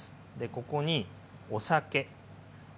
ここにお酒。